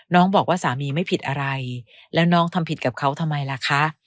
บอกว่าสามีไม่ผิดอะไรแล้วน้องทำผิดกับเขาทำไมล่ะคะ